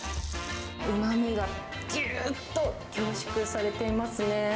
うまみがぎゅーっと凝縮されていますね。